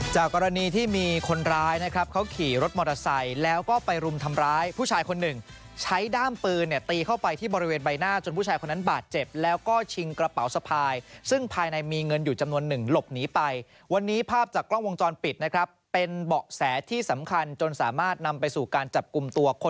กรณีที่มีคนร้ายนะครับเขาขี่รถมอเตอร์ไซค์แล้วก็ไปรุมทำร้ายผู้ชายคนหนึ่งใช้ด้ามปืนเนี่ยตีเข้าไปที่บริเวณใบหน้าจนผู้ชายคนนั้นบาดเจ็บแล้วก็ชิงกระเป๋าสะพายซึ่งภายในมีเงินอยู่จำนวนหนึ่งหลบหนีไปวันนี้ภาพจากกล้องวงจรปิดนะครับเป็นเบาะแสที่สำคัญจนสามารถนำไปสู่การจับกลุ่มตัวคน